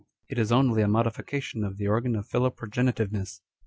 it is only a modification of the organ of philoprogenitiveness.